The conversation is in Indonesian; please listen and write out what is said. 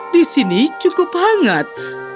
di sini cukup hangat